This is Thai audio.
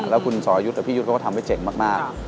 แล้วคุณสอรยุทธิ์พี่ยุทธิ์ก็ทำให้เจ๋งมาก